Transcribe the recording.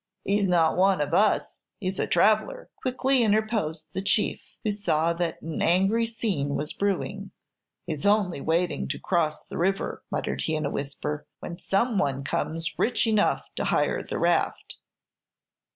"He's not one of us; he's a traveller," quickly interposed the chief, who saw that an angry scene was brewing. "He's only waiting to cross the river," muttered he in a whisper, "when some one comes rich enough to hire the raft."